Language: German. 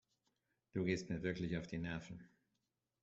Du gehst mir wirklich auf die Nerven.